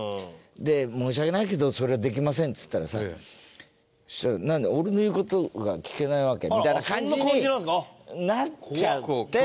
で「申し訳ないけどそれはできません」っつったらさそしたら「なんだよ俺の言う事が聞けないわけ？」みたいな感じになっちゃって。